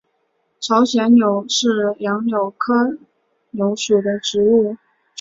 朝鲜柳是杨柳科柳属的植物。